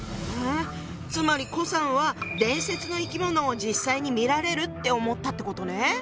つまり顧さんは伝説の生き物を実際に見られるって思ったってことね。